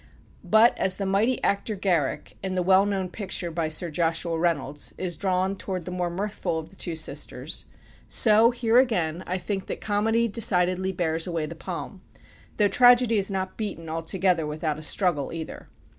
But as the mighty actor Garrick, in the well known picture by Sir Joshua Reynolds, is drawn towards the more mirthful of the two sisters, so, here again, I think that comedy decidedly bears away the palm, though tragedy is not beaten altogether without a struggle either.